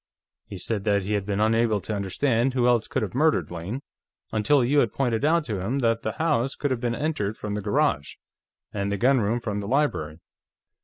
He said that he had been unable to understand who else could have murdered Lane, until you had pointed out to him that the house could have been entered from the garage, and the gunroom from the library.